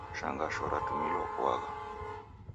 Shangagho ratumilwa kuagha.